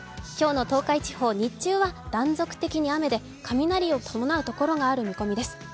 今日の東海地方、日中は断続的に雨で雷を伴うところがある見込みです。